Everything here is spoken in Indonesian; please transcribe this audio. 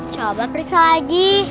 coba periksa lagi